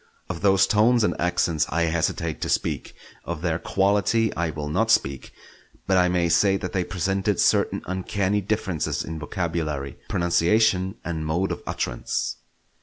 Of those tones and accents I hesitate to speak; of their quality I will not speak; but I may say that they presented certain uncanny differences in vocabulary, pronunciation, and mode of utterance.